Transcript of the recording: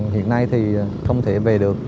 hiện nay thì không thể về được